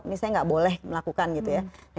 ini saya nggak boleh melakukan gitu ya